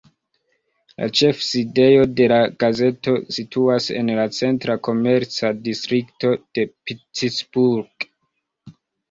La ĉefsidejo de la gazeto situas en la centra komerca distrikto de Pittsburgh.